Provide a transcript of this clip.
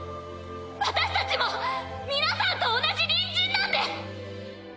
私達も皆さんと同じ隣人なんです！